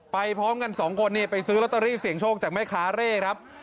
พร้อมกันสองคนนี่ไปซื้อลอตเตอรี่เสียงโชคจากแม่ค้าเร่ครับ